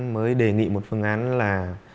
mới đề nghị một phương án là